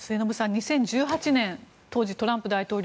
２０１８年、当時トランプ大統領